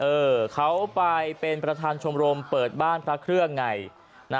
เออเขาไปเป็นประธานชมรมเปิดบ้านพระเครื่องไง